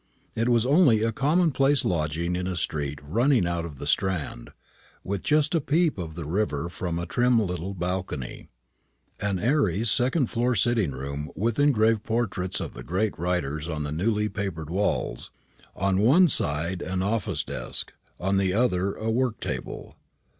It was only a commonplace lodging in a street running out of the Strand, with just a peep of the river from a trim little balcony. An airy second floor sitting room, with engraved portraits of the great writers on the newly papered walls: on one side an office desk, on the other a work table.